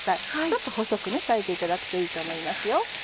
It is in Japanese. ちょっと細く裂いていただくといいと思いますよ。